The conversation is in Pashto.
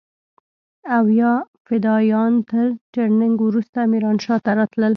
او يا فدايان تر ټرېننگ وروسته ميرانشاه ته راتلل.